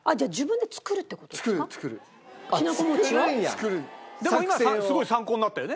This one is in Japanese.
でも今すごい参考になったよね。